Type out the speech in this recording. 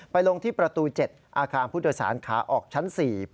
ลงที่ประตู๗อาคารผู้โดยสารขาออกชั้น๔